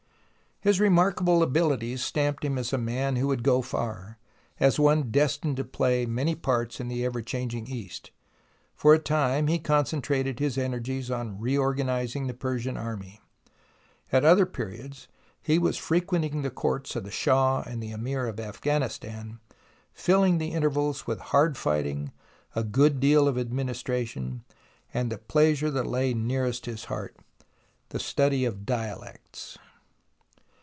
His remarkable abilities stamped him as a man who would go far, as one destined to play many parts in the ever changing East. For a time he concentrated his energies on reorganizing the Persian army ; at other periods he was fre quenting the courts of the Shah and the Amir of Afghanistan, filling the intervals with hard fighting, a good deal of administration, and the pleasure that lay nearest his heart — the study of dialects.